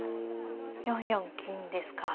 ４四金ですか。